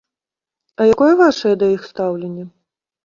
А якое вашае да іх стаўленне?